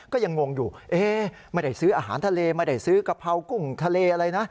ก็ยังงงอยู่ไม่ได้ซื้ออาหารทะเลไม่ได้ซื้อกะเพรากุ้งทะเลอะไรนะ